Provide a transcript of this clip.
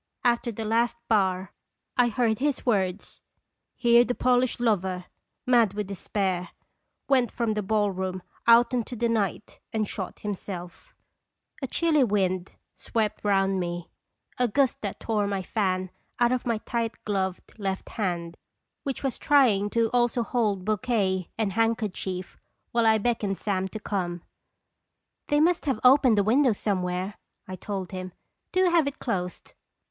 After the last bar, I heard his words: " Here the Polish lover, mad with despair, went from the ballroom out into the night and shot himself." Seconfr QTarfc toine." 267 A chilly wind swept round me, a gust that tore my fan out of my tight gloved left hand, which was trying to also hold bouquet and handkerchief, while I beckoned Sam to come. " They must have opened a window some where/' I told him. " Do have it closed."